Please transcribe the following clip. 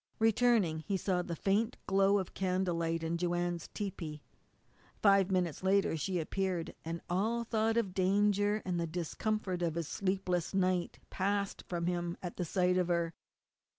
Returning he saw the faint glow of candlelight in Joanne's tepee. Five minutes later she appeared, and all thought of danger, and the discomfort of his sleepless night, passed from him at sight of her.